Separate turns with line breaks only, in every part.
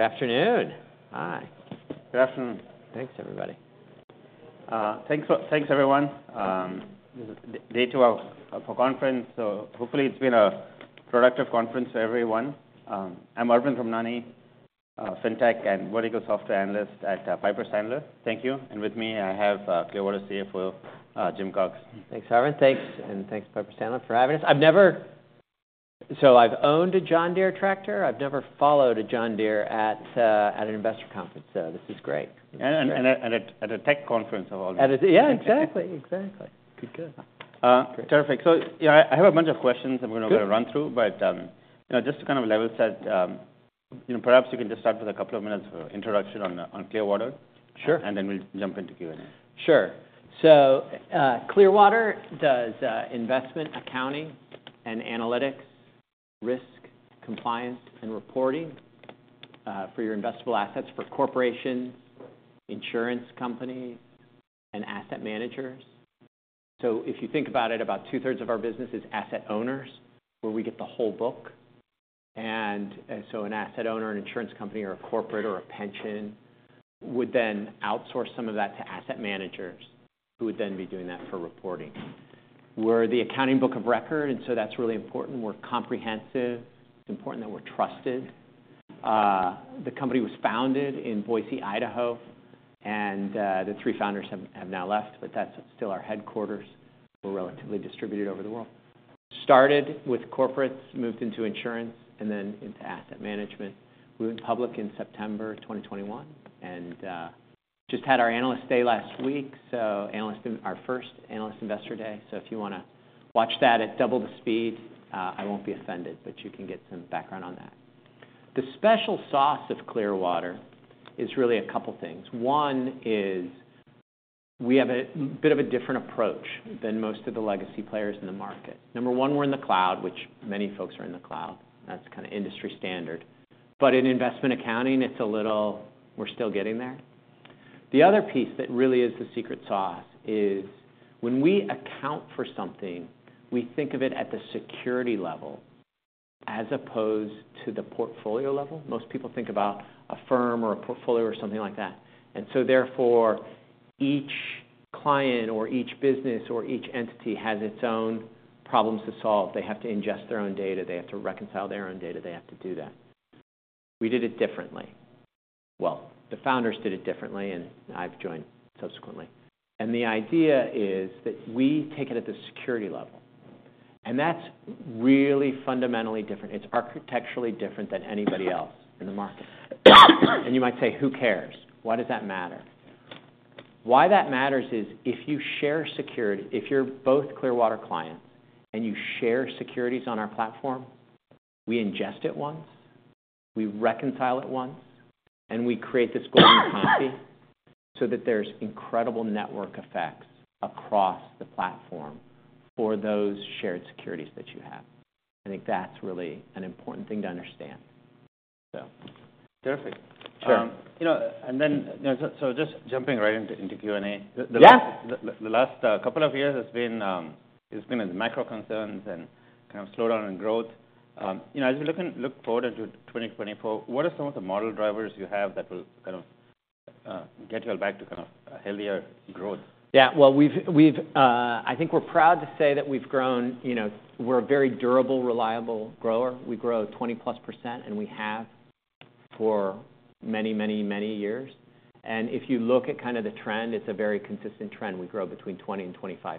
Good afternoon! Hi, good afternoon. Thanks, everybody.
Thanks, everyone. This is day two of our conference, so hopefully it's been a productive conference for everyone. I'm Arvind Ramnani, Fintech and Vertical Software Analyst at Piper Sandler. Thank you. And with me, I have Clearwater CFO, Jim Cox.
Thanks, Arvind. Thanks, and thanks, Piper Sandler, for having us. I've never... So I've owned a John Deere tractor. I've never followed a John Deere at an investor conference, so this is great.
And at a tech conference of all places.
Yeah, exactly. Exactly. Good, good.
Terrific. So, yeah, I have a bunch of questions-
Good.
- I'm gonna run through, but, you know, just to kind of level set, you know, perhaps you can just start with a couple of minutes of introduction on, on Clearwater.
Sure.
Then we'll jump into Q&A.
Sure. So, Clearwater does investment, accounting, and analytics, risk, compliance, and reporting for your investable assets, for corporations, insurance companies, and asset managers. So if you think about it, about two-thirds of our business is asset owners, where we get the whole book. So an asset owner, an insurance company or a corporate or a pension, would then outsource some of that to asset managers, who would then be doing that for reporting. We're the accounting book of record, and so that's really important. We're comprehensive. It's important that we're trusted. The company was founded in Boise, Idaho, and the three founders have now left, but that's still our headquarters. We're relatively distributed over the world. Started with corporates, moved into insurance, and then into asset management. We went public in September 2021, and, just had our Analyst Day last week, so our first Analyst Investor Day. So if you wanna watch that at double the speed, I won't be offended, but you can get some background on that. The special sauce of Clearwater is really a couple things. One is, we have a bit of a different approach than most of the legacy players in the market. Number one, we're in the cloud, which many folks are in the cloud. That's kind of industry standard. But in investment accounting, it's a little... We're still getting there. The other piece that really is the secret sauce is, when we account for something, we think of it at the security level as opposed to the portfolio level. Most people think about a firm or a portfolio or something like that. And so therefore, each client or each business or each entity has its own problems to solve. They have to ingest their own data. They have to reconcile their own data. They have to do that. We did it differently. Well, the founders did it differently, and I've joined subsequently. And the idea is that we take it at the security level, and that's really fundamentally different. It's architecturally different than anybody else in the market. And you might say: Who cares? Why does that matter? Why that matters is, if you share security—if you're both Clearwater clients, and you share securities on our platform, we ingest it once, we reconcile it once, and we create the Golden Copy, so that there's incredible network effects across the platform for those shared securities that you have. I think that's really an important thing to understand, so.
Terrific.
Sure.
You know, and then, you know, so just jumping right into Q&A.
Yeah.
The last couple of years has been... it's been in the macro concerns and kind of slowdown in growth. You know, as we're looking forward into 2024, what are some of the model drivers you have that will kind of get you all back to kind of a healthier growth?
Yeah. Well, we've, we've... I think we're proud to say that we've grown, you know, we're a very durable, reliable grower. We grow 20+%, and we have for many, many, many years. And if you look at kind of the trend, it's a very consistent trend. We grow between 20%-25%,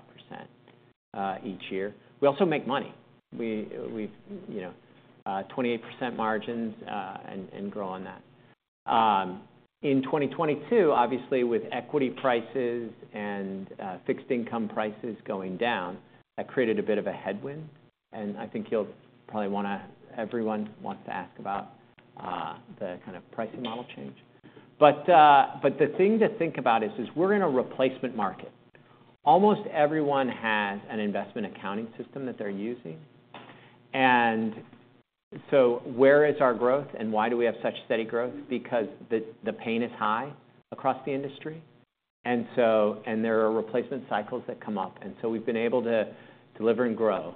each year. We also make money. We, we've, you know, 28% margins, and, and grow on that. In 2022, obviously, with equity prices and, fixed income prices going down, that created a bit of a headwind, and I think you'll probably wanna- everyone wants to ask about, the kind of pricing model change. But, but the thing to think about is, is we're in a replacement market. Almost everyone has an investment accounting system that they're using. So where is our growth, and why do we have such steady growth? Because the pain is high across the industry, and so there are replacement cycles that come up, and so we've been able to deliver and grow.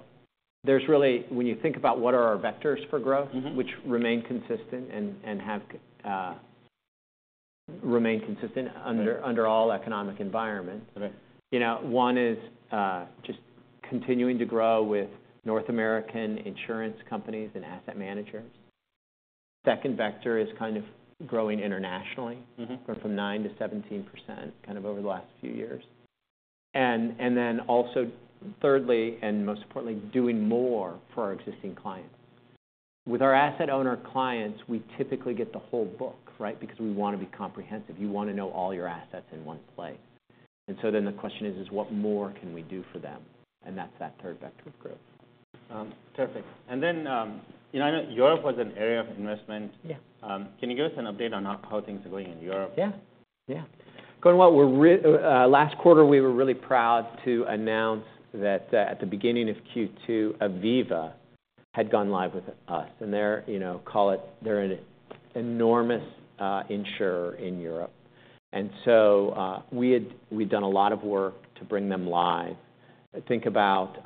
There's really... When you think about what are our vectors for growth-
Mm-hmm.
which remain consistent and have remained consistent under all economic environments.
Right.
You know, one is just continuing to grow with North American insurance companies and asset managers. Second vector is kind of growing internationally.
Mm-hmm.
Went from 9%-17%, kind of over the last few years. Then also, thirdly, and most importantly, doing more for our existing clients. With our asset owner clients, we typically get the whole book, right? Because we wanna be comprehensive. You wanna know all your assets in one place. So then the question is, what more can we do for them? That's that third vector of growth.
Terrific. And then, you know, I know Europe was an area of investment.
Yeah.
Can you give us an update on how things are going in Europe?
Yeah, yeah. Going well. We're last quarter, we were really proud to announce that, at the beginning of Q2, Aviva had gone live with us. And they're, you know, call it, they're an enormous insurer in Europe. And so, we've done a lot of work to bring them live. Think about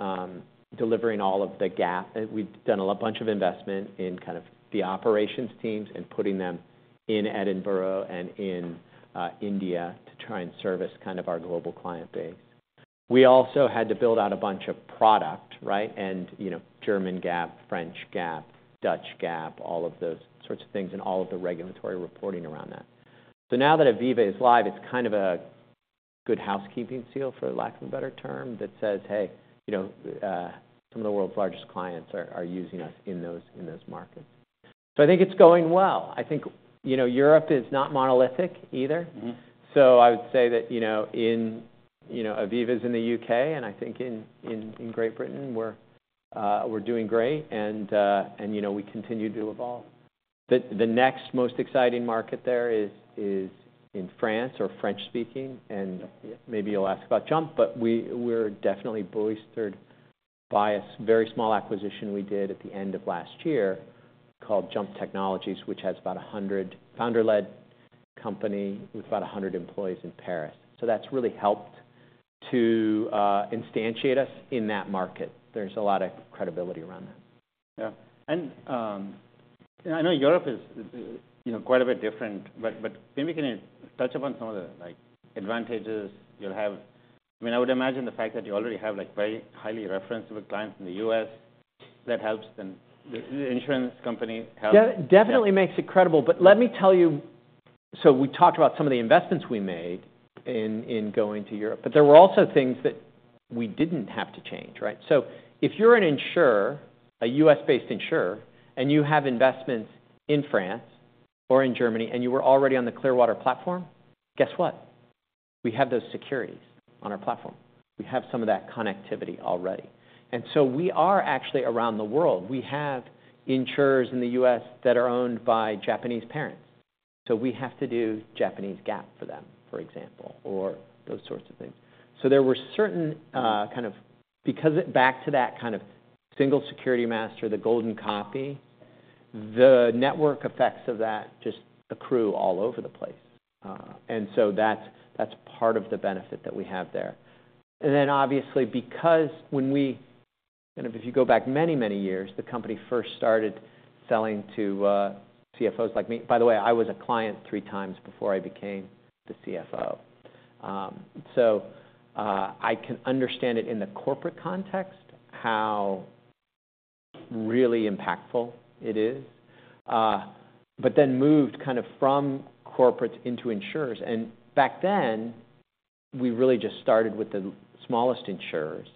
delivering all of the GAAP. We've done a bunch of investment in kind of the operations teams and putting them in Edinburgh and in India to try and service kind of our global client base. We also had to build out a bunch of product, right? And, you know, German GAAP, French GAAP, Dutch GAAP, all of those sorts of things, and all of the regulatory reporting around that. So now that Aviva is live, it's kind of a good housekeeping seal, for lack of a better term, that says, "Hey, you know, some of the world's largest clients are using us in those markets." So I think it's going well. I think, you know, Europe is not monolithic either.
Mm-hmm.
So I would say that, you know, in, you know, Aviva's in the U.K., and I think in Great Britain, we're doing great, and, you know, we continue to evolve. The next most exciting market there is in France or French speaking, and maybe you'll ask about JUMP, but we're definitely bolstered by a very small acquisition we did at the end of last year called JUMP Technology, which has about 100... founder-led company with about 100 employees in Paris. So that's really helped to instantiate us in that market. There's a lot of credibility around that.
Yeah. And I know Europe is, you know, quite a bit different, but maybe can you touch upon some of the, like, advantages you'll have? I mean, I would imagine the fact that you already have, like, very highly referenced with clients in the U.S., that helps, then the insurance company helps-
Yeah, definitely makes it credible. But let me tell you... So we talked about some of the investments we made in going to Europe, but there were also things that we didn't have to change, right? So if you're an insurer, a U.S.-based insurer, and you have investments in France or in Germany, and you were already on the Clearwater platform, guess what? We have those securities on our platform. We have some of that connectivity already. And so we are actually around the world. We have insurers in the U.S. that are owned by Japanese parents, so we have to do Japanese GAAP for them, for example, or those sorts of things. So there were certain kind of, because back to that kind of single Security Master, the Golden Copy, the network effects of that just accrue all over the place. And so that's, that's part of the benefit that we have there. And then obviously, because when we-- kind of if you go back many, many years, the company first started selling to CFOs like me. By the way, I was a client three times before I became the CFO. So I can understand it in the corporate context, how really impactful it is, but then moved kind of from corporate into insurers. And back then, we really just started with the smallest insurers,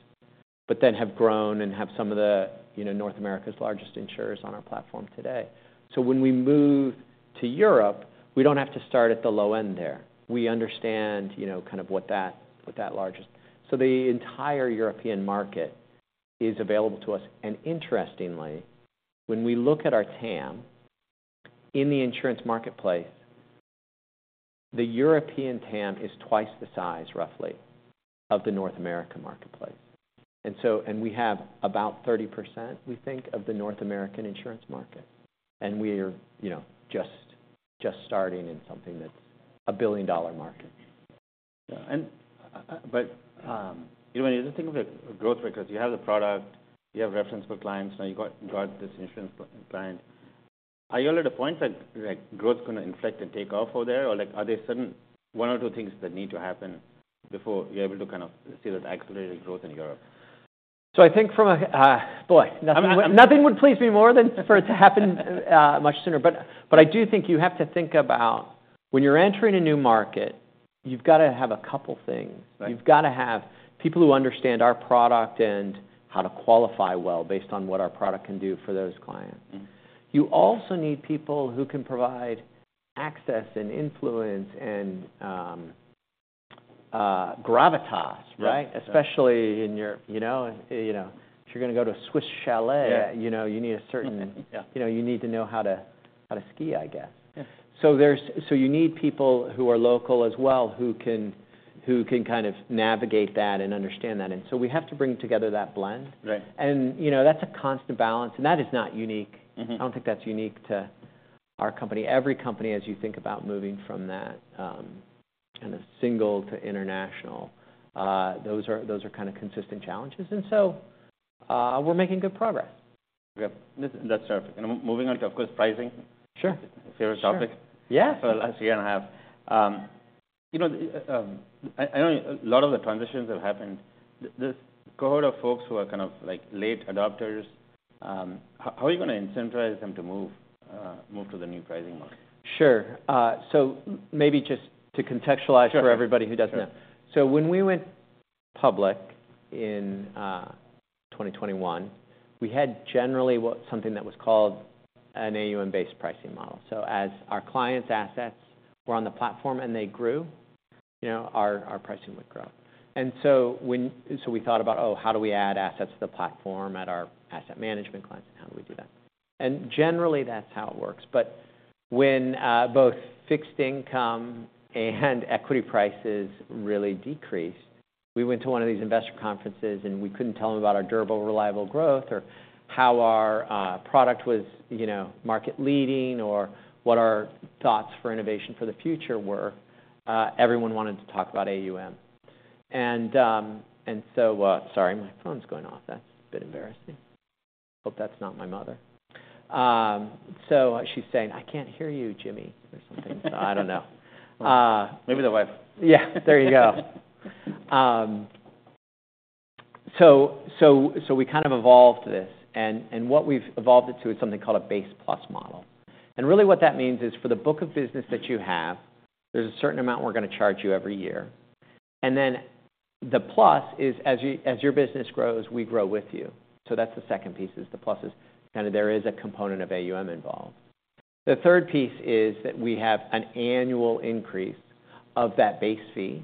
but then have grown and have some of the, you know, North America's largest insurers on our platform today. So when we move to Europe, we don't have to start at the low end there. We understand, you know, kind of what that, what that largest... So the entire European market is available to us. Interestingly, when we look at our TAM in the insurance marketplace, the European TAM is twice the size, roughly, of the North American marketplace. And we have about 30%, we think, of the North American insurance market, and we're, you know, just, just starting in something that's a billion-dollar market.
Yeah, but you know, when you just think of the growth records, you have the product, you have reference for clients, now you got this insurance client. Are you all at a point that, like, growth is gonna inflect and take off over there? Or like, are there certain one or two things that need to happen before you're able to kind of see that accelerated growth in Europe?
So I think from a boy, nothing, nothing would please me more than for it to happen much sooner. But I do think you have to think about when you're entering a new market, you've got to have a couple things.
Right.
You've got to have people who understand our product and how to qualify well based on what our product can do for those clients.
Mm-hmm.
You also need people who can provide access and influence and, gravitas, right?
Yeah.
Especially in your... You know, you know, if you're gonna go to a Swiss chalet-
Yeah...
you know, you need a certain-
Yeah.
You know, you need to know how to ski, I guess.
Yeah.
So you need people who are local as well, who can kind of navigate that and understand that, and so we have to bring together that blend.
Right.
You know, that's a constant balance, and that is not unique.
Mm-hmm.
I don't think that's unique to our company. Every company, as you think about moving from that, kind of single to international, those are, those are kind of consistent challenges. And so, we're making good progress.
Yeah, that's, that's perfect. Moving on to, of course, pricing.
Sure.
Favorite topic-
Sure. Yeah...
for the last year and a half. You know, I know a lot of the transitions have happened. This cohort of folks who are kind of like late adopters, how are you gonna incentivize them to move to the new pricing model?
Sure. So maybe just to contextualize-
Sure...
for everybody who doesn't know.
Sure.
So when we went public in 2021, we had generally something that was called an AUM-based pricing model. So as our clients' assets were on the platform and they grew, you know, our pricing would grow. And so when we thought about, oh, how do we add assets to the platform at our asset management clients, and how do we do that? And generally, that's how it works. But when both fixed income and equity prices really decreased, we went to one of these investor conferences, and we couldn't tell them about our durable, reliable growth, or how our product was, you know, market leading, or what our thoughts for innovation for the future were. Everyone wanted to talk about AUM. And so... Sorry, my phone's going off. That's a bit embarrassing. Hope that's not my mother. So she's saying, "I can't hear you, Jimmy," or something. So I don't know.
Maybe the wife.
Yeah, there you go. So we kind of evolved this, and what we've evolved into is something called a base plus model. And really what that means is, for the book of business that you have, there's a certain amount we're gonna charge you every year. And then the plus is, as your business grows, we grow with you. So that's the second piece, is the pluses, and there is a component of AUM involved. The third piece is that we have an annual increase of that base fee.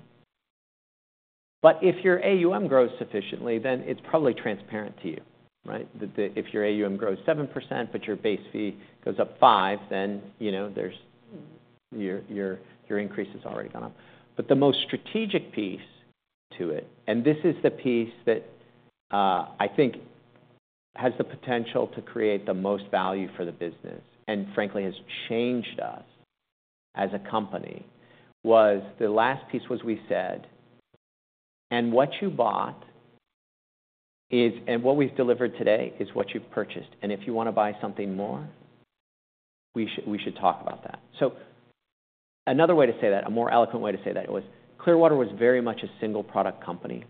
But if your AUM grows sufficiently, then it's probably transparent to you, right? That if your AUM grows 7%, but your base fee goes up five, then, you know, there's your increase has already gone up. But the most strategic piece to it, and this is the piece that I think has the potential to create the most value for the business, and frankly, has changed us as a company, was the last piece was we said: and what you bought is—and what we've delivered today is what you've purchased. And if you wanna buy something more, we should talk about that. So another way to say that, a more eloquent way to say that, was Clearwater was very much a single product company,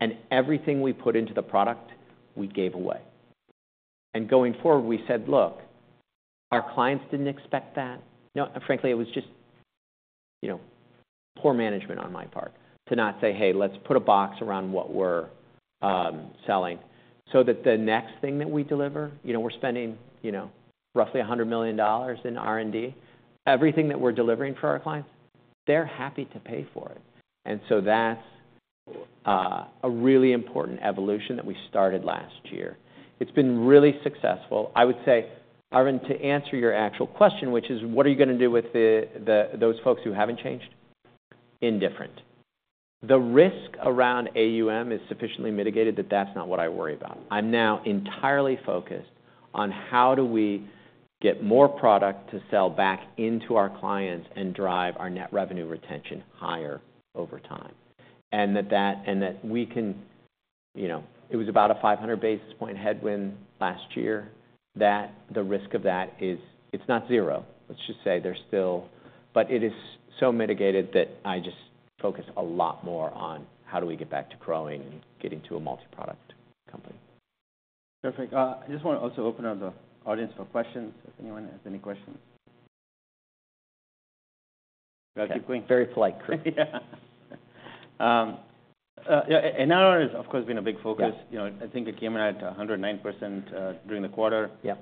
and everything we put into the product, we gave away. Going forward, we said, "Look, our clients didn't expect that." You know, frankly, it was just, you know, poor management on my part to not say, "Hey, let's put a box around what we're selling," so that the next thing that we deliver, you know, we're spending, you know, roughly $100 million in R&D. Everything that we're delivering for our clients, they're happy to pay for it. And so that's a really important evolution that we started last year. It's been really successful. I would say, Arvind, to answer your actual question, which is: what are you gonna do with those folks who haven't changed? Indifferent. The risk around AUM is sufficiently mitigated, that that's not what I worry about. I'm now entirely focused on how do we get more product to sell back into our clients and drive our net revenue retention higher over time. And that we can... You know, it was about a 500 basis point headwind last year, that the risk of that is, it's not zero. Let's just say there's still... But it is so mitigated that I just focus a lot more on how do we get back to growing and getting to a multi-product company.
Perfect. I just wanna also open up the audience for questions, if anyone has any questions. Do I keep going?
Very polite group.
Yeah. Yeah, NRR has, of course, been a big focus.
Yeah.
You know, I think it came in at 109%, during the quarter.
Yeah.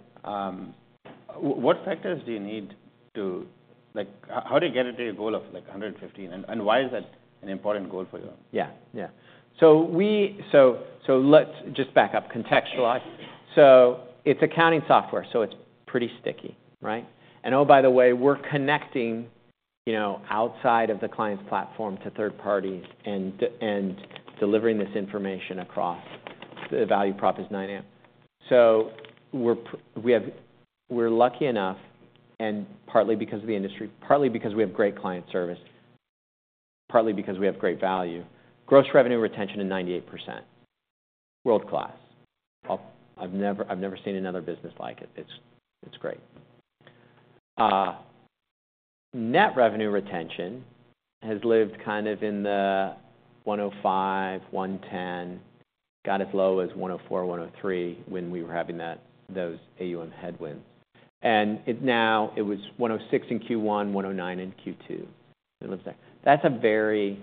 What factors do you need to... Like, how do you get it to your goal of, like, 115, and why is that an important goal for you?
Yeah, yeah. So we-- so let's just back up, contextualize. So it's accounting software, so it's pretty sticky, right? And oh, by the way, we're connecting, you know, outside of the client's platform to third parties and delivering this information across the value prop is 9A. So we're-- we have-- we're lucky enough, and partly because of the industry, partly because we have great client service, partly because we have great value. Gross revenue retention is 98%, world-class. I've never seen another business like it. It's great. Net Revenue Retention has lived kind of in the 105, 110, got as low as 104, 103 when we were having that, those AUM headwinds. It now was 106 in Q1, 109 in Q2. It looks like... That's a very...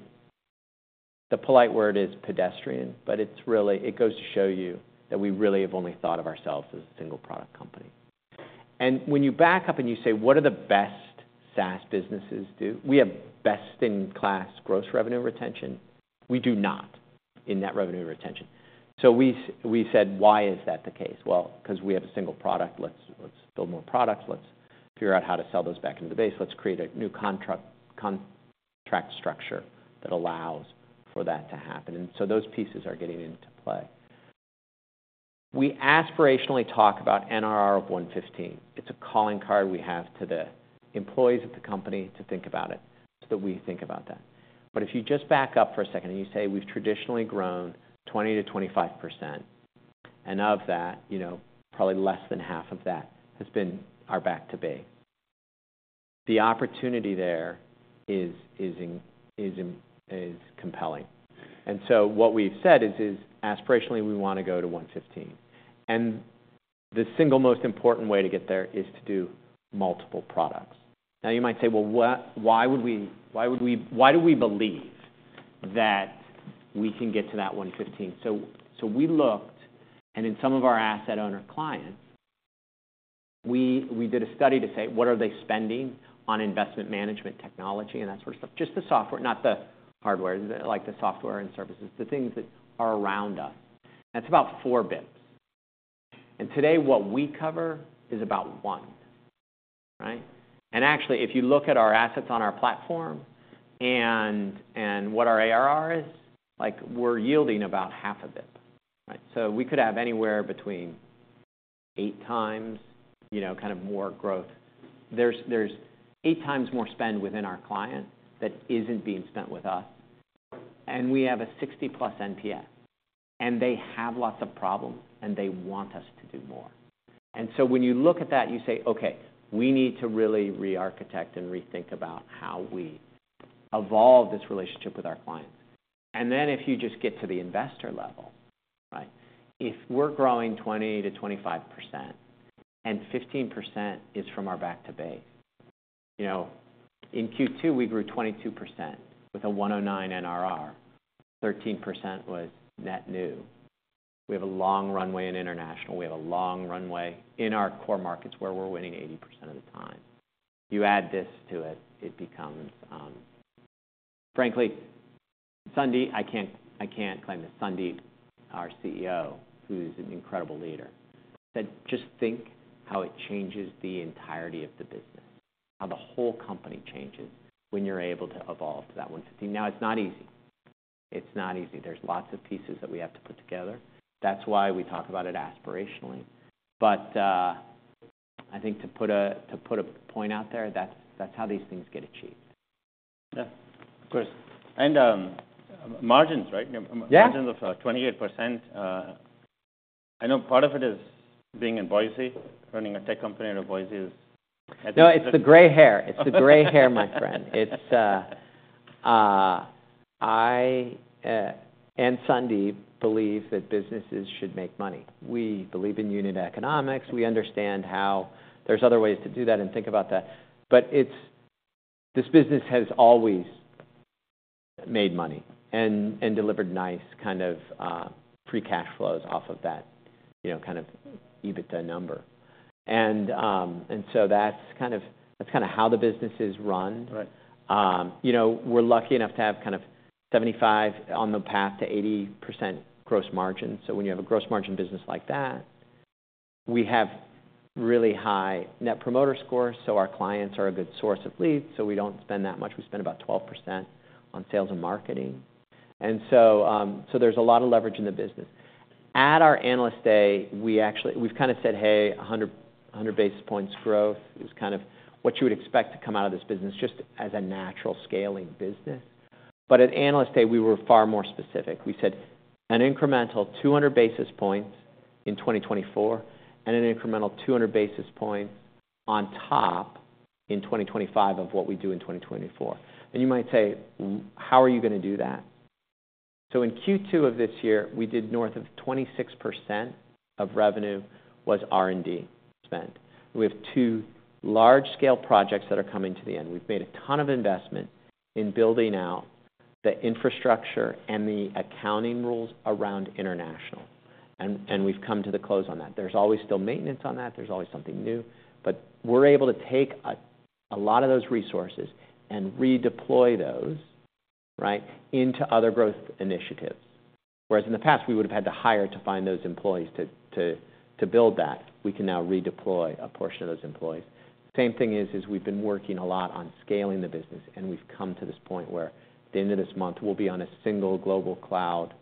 The polite word is pedestrian, but it's really, it goes to show you that we really have only thought of ourselves as a single product company. And when you back up and you say: What are the best SaaS businesses do? We have best-in-class gross revenue retention. We do not in net revenue retention. So we've said, "Why is that the case?" Well, because we have a single product, let's build more products. Let's figure out how to sell those back into the base. Let's create a new contract structure that allows for that to happen, and so those pieces are getting into play. We aspirationally talk about NRR of 115. It's a calling card we have to the employees of the company to think about it, so that we think about that. But if you just back up for a second and you say we've traditionally grown 20%-25%, and of that, you know, probably less than half of that has been our back to base. The opportunity there is compelling. And so what we've said is aspirationally we wanna go to 115, and the single most important way to get there is to do multiple products. Now, you might say, "Well, why do we believe that we can get to that 115?" So we looked, and in some of our asset owner clients, we did a study to say: What are they spending on investment management technology and that sort of stuff? Just the software, not the hardware, like the software and services, the things that are around us. That's about four basis points. And today, what we cover is about 1, right? And actually, if you look at our assets on our platform and what our ARR is, like, we're yielding about half of it, right? So we could have anywhere between 8 times, you know, kind of more growth. There's eight times more spend within our client that isn't being spent with us.... and we have a 60+ NPS, and they have lots of problems, and they want us to do more. And so when you look at that, you say, "Okay, we need to really re-architect and rethink about how we evolve this relationship with our clients." And then if you just get to the investor level, right? If we're growing 20%-25% and 15% is from our back to base, you know, in Q2, we grew 22% with a 109 NRR, 13% was net new. We have a long runway in international. We have a long runway in our core markets, where we're winning 80% of the time. You add this to it, it becomes, frankly, Sandeep, I can't, I can't claim this. Sandeep, our CEO, who's an incredible leader, said, "Just think how it changes the entirety of the business, how the whole company changes when you're able to evolve to that 150." Now, it's not easy. It's not easy. There's lots of pieces that we have to put together. That's why we talk about it aspirationally. But, I think to put a point out there, that's how these things get achieved.
Yeah, of course. And, margins, right?
Yeah.
Margins of 28%, I know part of it is being in Boise. Running a tech company out of Boise is-
No, it's the gray hair. It's the gray hair, my friend. I and Sandeep believe that businesses should make money. We believe in unit economics. We understand how there's other ways to do that and think about that, but it's this business has always made money and delivered nice kind of free cash flows off of that, you know, kind of EBITDA number. And so that's kind of, that's kind of how the business is run.
Right.
You know, we're lucky enough to have kind of 75 on the path to 80% gross margin. So when you have a gross margin business like that, we have really high Net Promoter Scores, so our clients are a good source of leads, so we don't spend that much. We spend about 12% on sales and marketing, and so, so there's a lot of leverage in the business. At our Analyst Day, we actually, we've kind of said, "Hey, 100, 100 basis points growth is kind of what you would expect to come out of this business, just as a natural scaling business." But at Analyst Day, we were far more specific. We said, "An incremental 200 basis points in 2024, and an incremental 200 basis points on top in 2025 of what we do in 2024." And you might say, "Mm, how are you gonna do that?" So in Q2 of this year, we did north of 26% of revenue was R&D spend. We have two large-scale projects that are coming to the end. We've made a ton of investment in building out the infrastructure and the accounting rules around international, and, and we've come to the close on that. There's always still maintenance on that. There's always something new, but we're able to take a, a lot of those resources and redeploy those, right, into other growth initiatives. Whereas in the past, we would've had to hire to find those employees to, to, to build that. We can now redeploy a portion of those employees. Same thing is we've been working a lot on scaling the business, and we've come to this point where, at the end of this month, we'll be on a single global cloud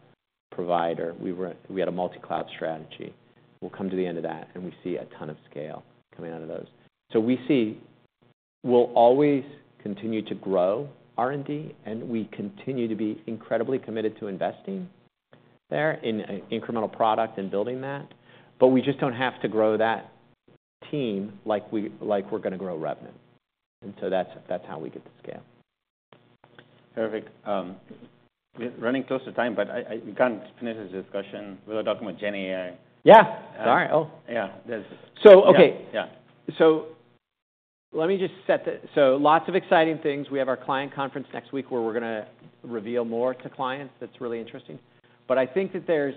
provider. We were. We had a multi-cloud strategy. We'll come to the end of that, and we see a ton of scale coming out of those. So we see we'll always continue to grow R&D, and we continue to be incredibly committed to investing there in incremental product and building that, but we just don't have to grow that team like we're gonna grow revenue. And so that's how we get to scale.
Perfect. We're running close to time, but we can't finish this discussion without talking with GenAI.
Yeah. All right. Oh.
Yeah, that's-
So, okay.
Yeah. Yeah.
So lots of exciting things. We have our client conference next week, where we're gonna reveal more to clients. That's really interesting. But I think that there's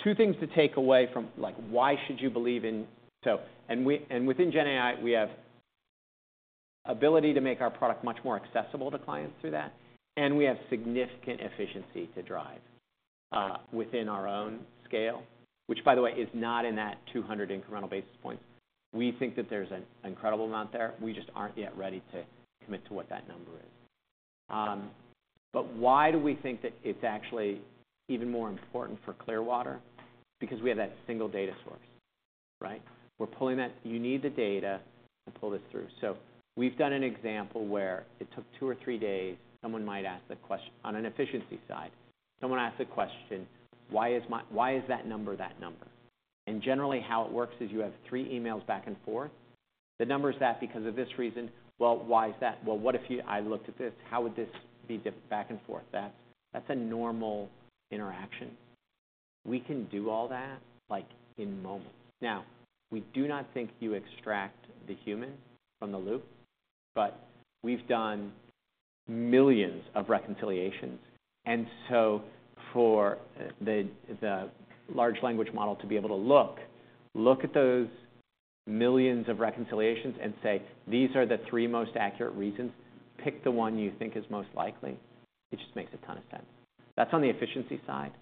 two things to take away from, like, why should you believe in and within GenAI, we have ability to make our product much more accessible to clients through that, and we have significant efficiency to drive within our own scale, which, by the way, is not in that 200 incremental basis points. We think that there's an incredible amount there. We just aren't yet ready to commit to what that number is. But why do we think that it's actually even more important for Clearwater? Because we have that single data source, right? We're pulling that. You need the data to pull this through. So we've done an example where it took two or three days. Someone might ask a question on an efficiency side, someone asked a question, "Why is that number, that number?" And generally, how it works is you have three emails back and forth. The number is that because of this reason, "Well, why is that?" "Well, what if you I looked at this, how would this be different?" Back and forth. That's, that's a normal interaction. We can do all that, like, in moments. Now, we do not think you extract the human from the loop, but we've done millions of reconciliations, and so for the large language model to be able to look, look at those millions of reconciliations and say, "These are the 3 most accurate reasons. Pick the one you think is most likely," it just makes a ton of sense. That's on the efficiency side.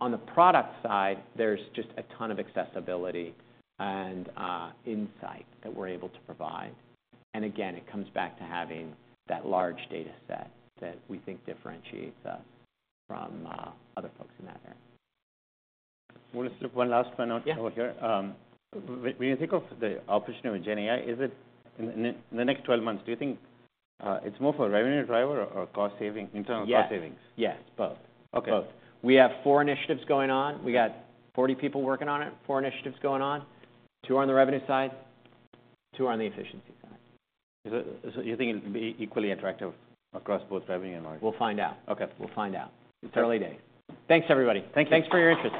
On the product side, there's just a ton of accessibility and insight that we're able to provide, and again, it comes back to having that large data set that we think differentiates us from other folks in that area.
We'll just do one last one out-
Yeah...
over here. When you think of the opportunity with GenAI, is it in the next 12 months, do you think, it's more for revenue driver or cost saving, internal cost savings?
Yes, yes, both.
Okay.
Both. We have four initiatives going on.
Yeah.
We got 40 people working on it. four initiatives going on. Two are on the revenue side, two are on the efficiency side.
So, you think it can be equally attractive across both revenue and margin?
We'll find out.
Okay.
We'll find out.
Okay.
It's early days. Thanks, everybody.
Thank you.
Thanks for your interest.